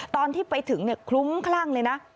ตอนที่ไปถึงคลุ้มคลั่งเลยนะ